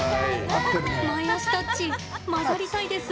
前足タッチ交ざりたいです。